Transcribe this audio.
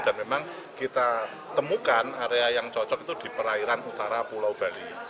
dan memang kita temukan area yang cocok itu di perairan utara pulau bali